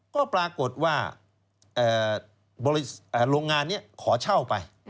ก็ปรากฏว่าโรงงานนี้ขอเช่าไป